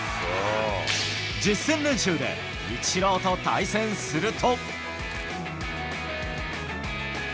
実戦練習でイチローと対戦すると。